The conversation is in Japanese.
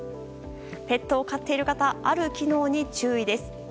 ペットを飼っている方ある機能に注意です。